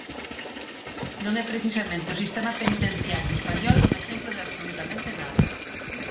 Non é precisamente o sistema penitenciario español un exemplo de absolutamente nada.